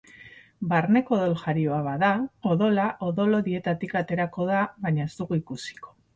Barneko odoljarioa bada, odola odol-hodietatik aterako da baina ez dugu ikusiko.